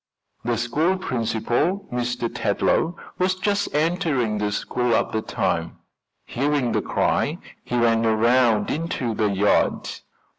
The school principal, Mr. Tetlow, was just entering the school at the time. Hearing the cry he ran around into the yard.